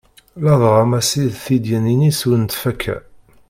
Ladɣa Massi d tedyanin-is ur nettfakka.